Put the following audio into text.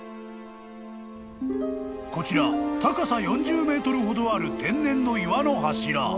［こちら高さ４０ｍほどある天然の岩の柱］